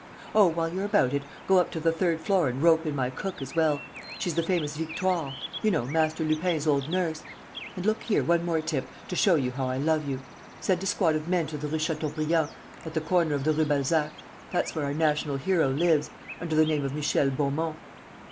Oh, while you're about it, go up to the third floor and rope in my cook as well.... She's the famous Victoire: you know, Master Lupin's old nurse.... And, look here, one more tip, to show you how I love you: send a squad of men to the Rue Chateaubriand, at the corner of the Rue Balzac.... That's where our national hero lives, under the name of Michel Beaumont....